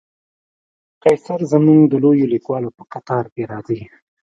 قیصر زموږ د لویو لیکوالو په قطار کې راځي.